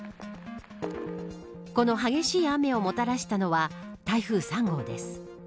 この激しい雨をもたらしたのは台風３号です。